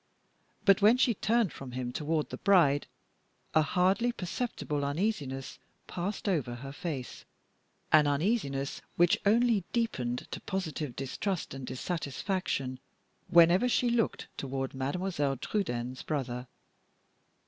But when she turned from him toward the bride, a hardly perceptible uneasiness passed over her face an uneasiness which only deepened to positive distrust and dissatisfaction whenever she looked toward Mademoiselle Trudaine's brother.